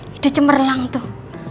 hidup cemerlang tuh